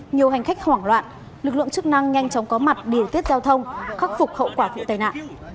nhiều hành khách hoảng loạn lực lượng chức năng nhanh chóng có mặt điều tiết giao thông khắc phục hậu quả vụ tai nạn